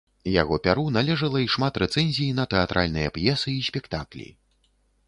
Яго пяру належала і шмат рэцэнзій на тэатральныя п'есы і спектаклі.